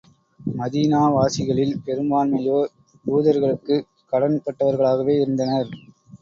Medina வாசிகளில் பெரும்பான்மையோர் யூதர்களுக்குக் கடன் பட்டவர்களாகவே இருந்தனர்.